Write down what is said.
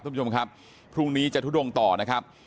คุณผู้ชมครับพรุ่งนี้จะทุดงต่อนะครับ